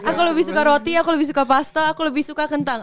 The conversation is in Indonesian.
aku lebih suka roti aku lebih suka pasta aku lebih suka kentang